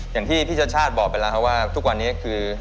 อย่างที่พี่ชัชชาติบอกไปแล้วครับว่าทุกวันนี้คือ